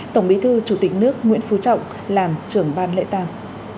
tổng bí thư chủ tịch nước nguyễn phú trọng làm trưởng ban lễ tàng